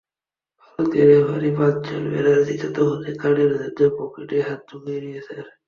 ভারতীয় রেফারি প্রাঞ্জল ব্যানার্জি ততক্ষণে কার্ডের জন্য পকেটে হাত ঢুকিয়ে দিয়েছেন।